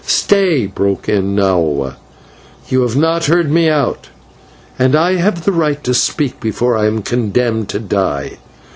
"Stay!" broke in Nahua. "You have not heard me out, and I have the right to speak before I am condemned to die.